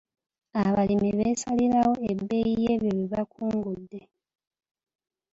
Abalimi be beesalirawo ebbeeyi y'ebyo bye bakungudde.